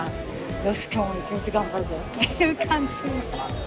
よし今日も一日頑張るぞっていう感じ。